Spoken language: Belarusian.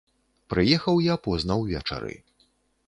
Прыехаў я позна ўвечары.